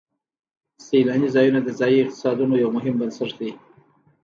سیلاني ځایونه د ځایي اقتصادونو یو مهم بنسټ دی.